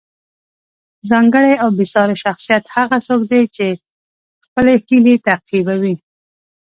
ځانګړی او بې ساری شخصیت هغه څوک دی چې خپلې هیلې تعقیبوي.